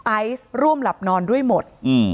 ไอซ์ร่วมหลับนอนด้วยหมด